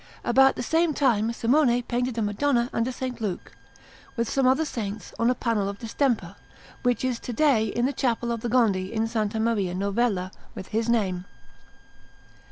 About the same time Simone painted a Madonna and a S. Luke, with some other Saints, on a panel in distemper, which is to day in the Chapel of the Gondi in S. Maria Novella, with his name.